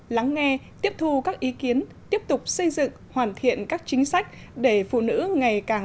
lắng nghe tiếp thu các ý kiến tiếp tục xây dựng hoàn thiện các chính sách để phụ nữ ngày càng